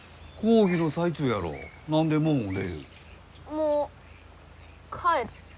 もう帰る。